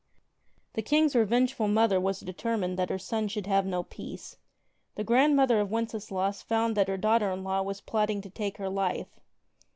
The King's revengeful mother was determined that her son should have no peace. The grandmother of Wenceslaus found that her daughter in law was plotting to take her life.